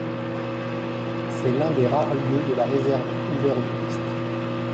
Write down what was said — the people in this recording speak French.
C'est l'un des rares lieux de la réserve ouvert aux touristes.